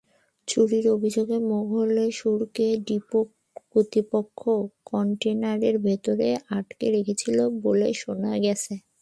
চুরির অভিযোগে মোখলেসুরকে ডিপো কর্তৃপক্ষ কনটেইনারের ভেতর আটকে রেখেছিল বলে শোনা গেছে।